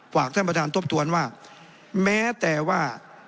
ท่านประธานทบทวนว่าแม้แต่ว่า